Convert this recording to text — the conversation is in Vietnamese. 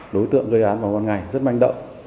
đối tượng gây án vào ban ngày rất manh động